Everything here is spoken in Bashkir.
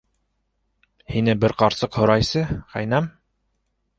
Һине бер ҡарсыҡ һорайсы, ҡәйнәм.